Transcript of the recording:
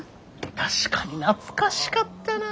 確かに懐かしかったな！